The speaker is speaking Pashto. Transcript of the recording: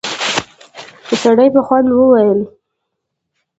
سړي په خوند وويل: